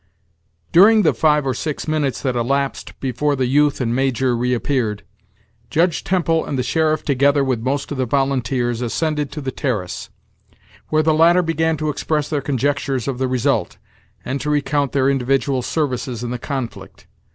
During the five or six minutes that elapsed before the youth and Major reappeared. Judge Temple and the sheriff together with most of the volunteers, ascended to the terrace, where the latter began to express their conjectures of the result, and to recount their individual services in the conflict.